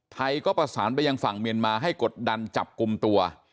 ไทยก็ประสานไปยังฝั่งเมียนมาให้กดดันจับกลุ่มตัว